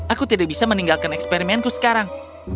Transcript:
aku tidak bisa meninggalkan eksperimenku sekarang